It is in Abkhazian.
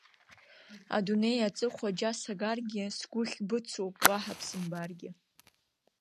Адунеи аҵыхәа џьа сагаргьы, Сгәыхь быцуп, уаҳа бсымбаргьы!